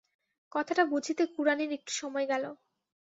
কথাটা বুঝিতে কুড়ানির একটু সময় গেল।